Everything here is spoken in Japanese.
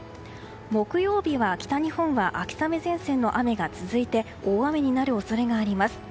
木曜日は北日本は秋雨前線の雨が続いて大雨になる恐れがあります。